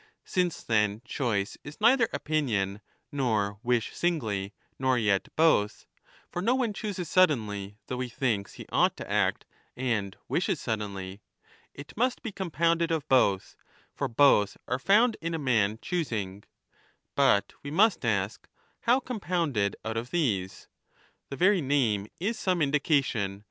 Since then choice is ^ neither opinion nor wish singly nor 1226'' yet both (for no one chooses suddenly, though he thinks he ought to act, and wishes, suddenly), it must be com ^ Omitting i<m vpoalpeais (P^). 1226^ ETHICA EUDEMIA 5 pounded of both, for both arc found in a man choosing. But we must ask — how compounded out of these ? The very name is some indication.